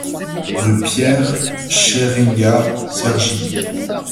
Rue Pierre Scheringa, Cergy